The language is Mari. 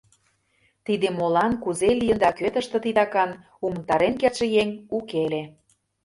Тиде молан, кузе лийын да кӧ тыште титакан — умылтарен кертше еҥ уке ыле.